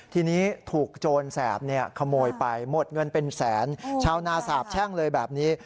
ทีนี้ถูกโจรแสบขโมยไปหมดเงินเป็นแสนชาวนาสาบแช่งเลยแบบนี้